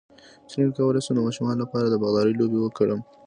څنګه کولی شم د ماشومانو لپاره د باغدارۍ لوبې وکړم